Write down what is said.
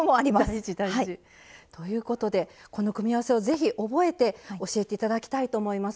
大事大事！ということでこの組み合わせを是非覚えて教えて頂きたいと思います。